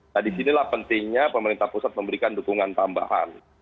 nah disinilah pentingnya pemerintah pusat memberikan dukungan tambahan